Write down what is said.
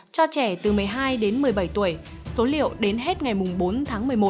cho trẻ từ một mươi hai đến một mươi bảy tuổi số liệu đến hết ngày bốn tháng một mươi một